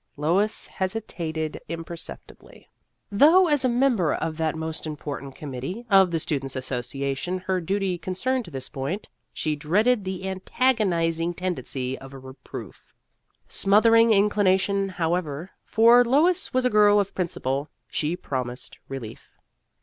Lois hesitated imperceptibly. Though as a member of that most important com mittee of the Students' Association her duty concerned this point, she dreaded the antagonizing tendency of a reproof. Smothering inclination, however, for Lois was a girl of principle, she promised relief.